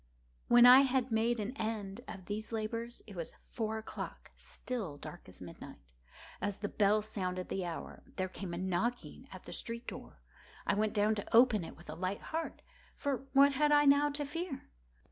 When I had made an end of these labors, it was four o'clock—still dark as midnight. As the bell sounded the hour, there came a knocking at the street door. I went down to open it with a light heart,—for what had I now to fear?